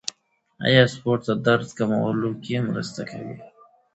آیا سپورت د درد کمولو کې مرسته کوي؟